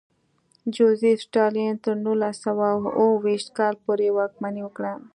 جوزېف ستالین تر نولس سوه اوه ویشت کال پورې واکمني وکړه.